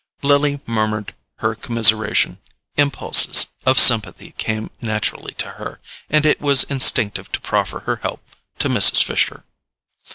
Lily murmured her commiseration. Impulses of sympathy came naturally to her, and it was instinctive to proffer her help to Mrs. Fisher.